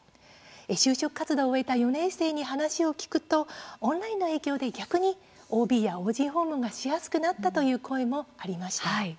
就職活動を終えた４年生に話を聞くと、オンラインの影響で逆にＯＢやＯＧ訪問がしやすくなったという声もありました。